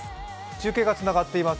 中継がつながっています。